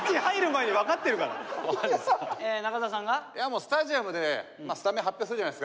スタジアムでスタメン発表するじゃないですか。